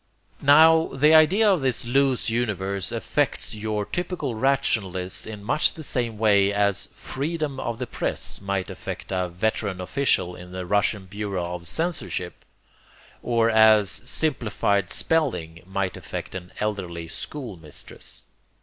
Now the idea of this loose universe affects your typical rationalists in much the same way as 'freedom of the press' might affect a veteran official in the russian bureau of censorship; or as 'simplified spelling' might affect an elderly schoolmistress.